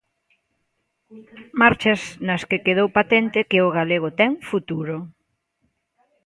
Marchas nas que quedou patente que o galego ten futuro.